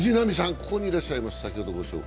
ここにいらっしゃいます。